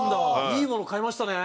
いいもの買いましたね！